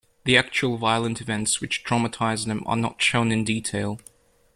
The actual violent events which traumatise them are not shown in detail.